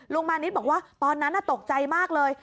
มานิดบอกว่าตอนนั้นตกใจมากเลย